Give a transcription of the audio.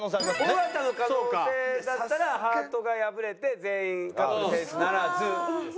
尾形の可能性だったらハートが破れて全員カップル成立ならずですね。